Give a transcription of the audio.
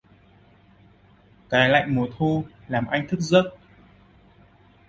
Cái lạnh mùa thu làm anh thức giấc